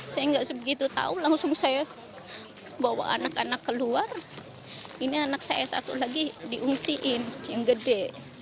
saya nggak sebegitu tahu langsung saya bawa anak anak keluar ini anak saya satu lagi diungsiin yang gede